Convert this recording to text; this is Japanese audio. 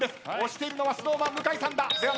押してるのはＳｎｏｗＭａｎ向井さんだ。